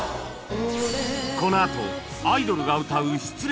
このあとアイドルが歌う失恋ソング